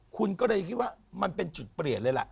คุณก็เลยคิดว่ามันเป็นจุดเปลี่ยนเลยล่ะ